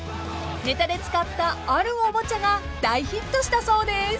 ［ネタで使ったあるおもちゃが大ヒットしたそうです］